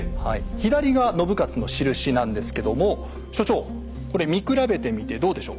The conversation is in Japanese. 左が信雄の印なんですけども所長これ見比べてみてどうでしょう？